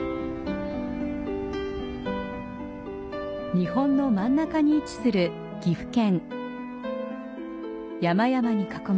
日本の真ん中に位置する岐阜県。